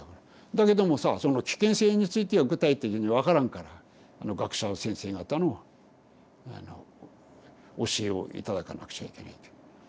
だけどもさその危険性については具体的に分からんから学者先生方の教えを頂かなくちゃいけないという。